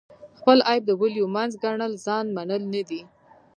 خپل عیب د ولیو منځ ګڼل ځان منل نه دي.